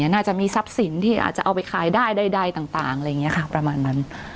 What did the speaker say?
น่าจะมีสับสินที่อาจจะเอาไปขายได้ต่างประมาณนั้น